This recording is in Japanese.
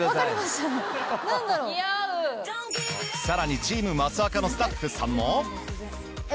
さらにチーム益若のスタッフさんも。